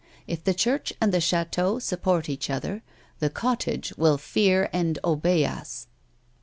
If the Church and the chateau sxipport each other, the cottage will fear and obey us."